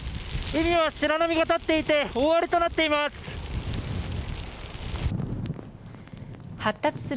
海は白波が立っていて、大荒れとなっています。